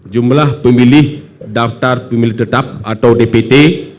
jumlah pemilih daftar pemilih tetap atau dpt